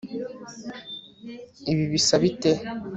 ibi bisa bite